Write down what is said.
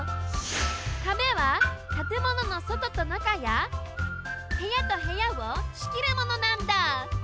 壁はたてもののそととなかやへやとへやをしきるものなんだ。